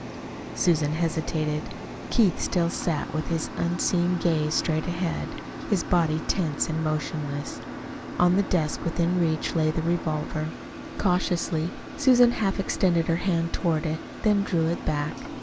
Susan hesitated. Keith still sat, with his unseeing gaze straight ahead, his body tense and motionless. On the desk within reach lay the revolver. Cautiously Susan half extended her hand toward it, then drew it back.